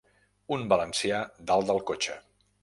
Un valencià dalt del cotxe.